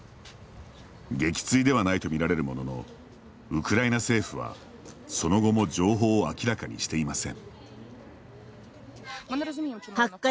撃墜ではないと見られるもののウクライナ政府はその後も情報を明らかにしていません。